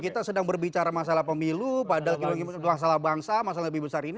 kita sedang berbicara masalah pemilu padahal masalah bangsa masalah lebih besar ini